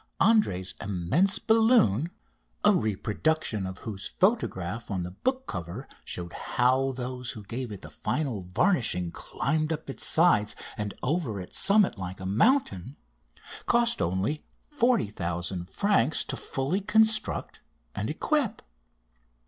Andrée's immense balloon a reproduction of whose photograph on the book cover showed how those who gave it the final varnishing climbed up its sides and over its summit like a mountain cost only 40,000 francs to fully construct and equip!